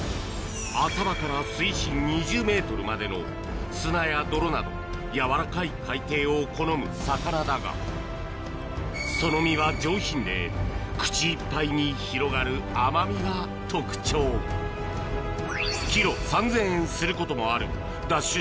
浅場から水深２０ｍまでの砂や泥など軟らかい海底を好む魚だがその身は上品で口いっぱいに広がる甘みが特徴キロ３０００円することもあるＤＡＳＨ